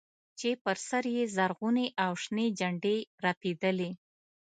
چې پر سر يې زرغونې او شنې جنډې رپېدلې.